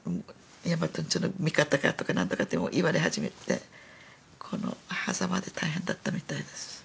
ヤマトンチュの味方かとか何とかって言われ始めてこの狭間で大変だったみたいです。